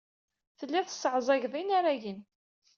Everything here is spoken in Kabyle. Telliḍ tesseɛẓageḍ inaragen.